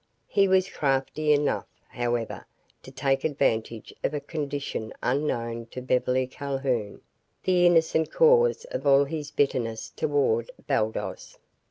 He was crafty enough, however, to take advantage of a condition unknown to Beverly Calhoun, the innocent cause of all his bitterness toward Baldos.